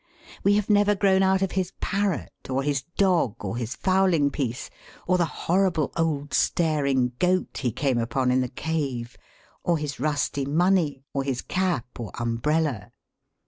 We have never grown out of his parrot, or his dog, or his fowling piece, or the horrible old staring goat he came upon in the cave, or his rusty money, or his cap, or umbrella.